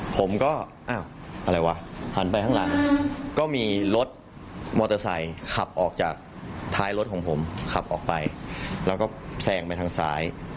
ผมก็อ้าวอะไรวะหันไปข้างหลังก็มีรถมอเตอร์ไซค์ขับออกจากท้ายรถของผมขับออกไปแล้วก็แซงไปทางซ้าย